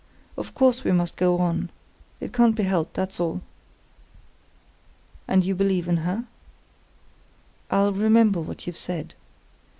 "Of course we must go on. It can't be helped, that's all." "And you believe in her?" "I'll remember what you've said.